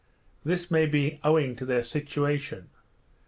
This may be owing to their situation.